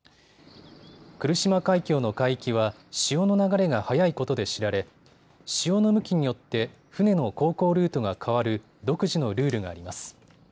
来島海峡の海域は潮の流れが速いことで知られ潮の向きによって船の航行ルートが変わる独自のルールがあります。